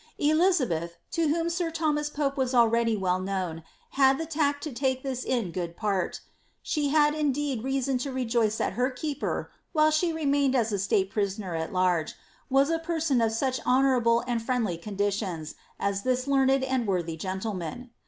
Elizabeth, to whom sir hnmas Pope was already well known, had the tact to take this In >od part. Slie had indeed reason to rejoice that her keeper, while she Biained as a state prisoner at large, was a person of such honcmrable d friendly conditions, as this learned and worthy gentleman.